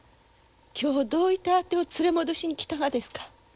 今日どういてあてを連れ戻しにきたがですか？